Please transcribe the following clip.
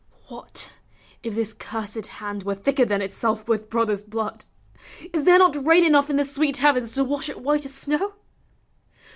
What if this cursed hand Were thicker than itself with brother's blood, Is there not rain enough in the sweet heavens To wash it white as snow?